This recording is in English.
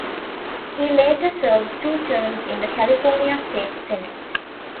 He later served two terms in the California State Senate.